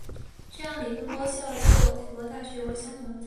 这样理工高校就和大学有了相同的地位。